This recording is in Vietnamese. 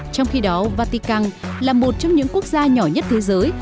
trong khi đó vatican là một trong những quốc gia nhỏ nhất thế giới